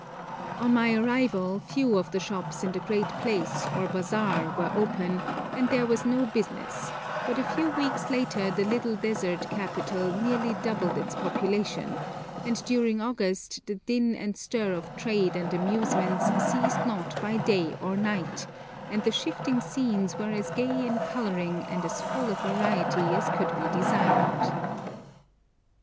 On my arrival few of the shops in the great place, or bazaar, were open, and there was no business; but a few weeks later the little desert capital nearly doubled its population, and during August the din and stir of trade and amusements ceased not by day or night, and the shifting scenes were as gay in colouring and as full of variety as could be desired.